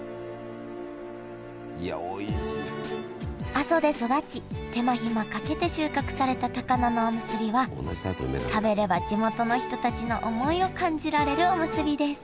阿蘇で育ち手間ひまかけて収穫された高菜のおむすびは食べれば地元の人たちの思いを感じられるおむすびです